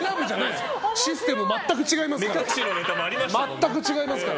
システム全く違いますから。